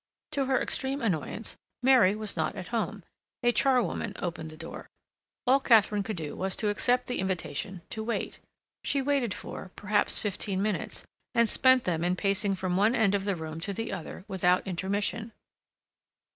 To her extreme annoyance Mary was not at home; a charwoman opened the door. All Katharine could do was to accept the invitation to wait. She waited for, perhaps, fifteen minutes, and spent them in pacing from one end of the room to the other without intermission.